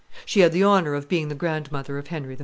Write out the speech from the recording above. She had the honor of being the grandmother of Henry IV.